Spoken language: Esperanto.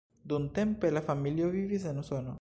Dumtempe la familio vivis en Usono.